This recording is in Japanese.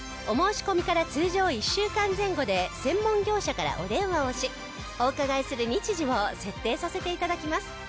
お申し込みから通常１週間前後で専門業者からお電話をしお伺いする日時を設定させて頂きます。